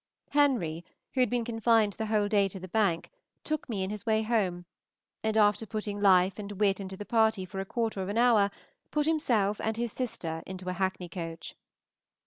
Henry, who had been confined the whole day to the bank, took me in his way home, and, after putting life and wit into the party for a quarter of an hour, put himself and his sister into a hackney coach.